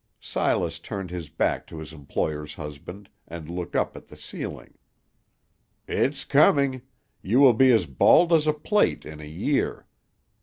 Silas turned his back to his employer's husband, and looked up at the ceiling. "It's coming; you will be as bald as a plate in a year.